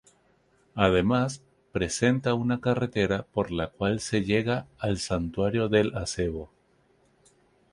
Además, presenta una carretera por la cual se llega al Santuario del Acebo.